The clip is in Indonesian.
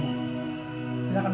makasih ya pak rohim